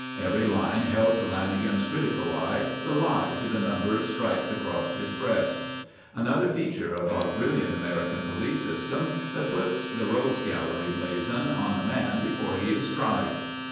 Every line held to Lanagan's critical eye the lie to the number striped across his breast; another feature of our brilliant American police system that puts the rogue's gallery blazon on a man before he is tried.